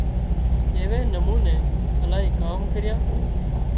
ايوي نموني الاهي ڪام ڪريان